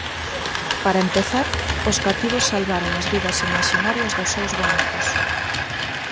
Para empezar, os cativos salvaron as vidas imaxinarias dos seus bonecos.